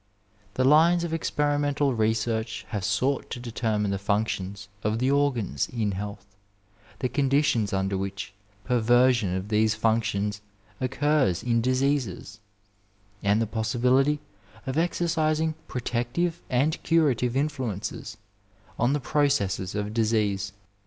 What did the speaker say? The lines of experi mental research have sought to determine the functions of the organs in health, the conditions under which per* version of these functions occurs in diseases, and the possi bility of exercising protective and curative influences on the processes of disease.